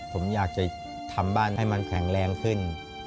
ผมอยากจะทำบ้านให้มันแข็งแรงขึ้น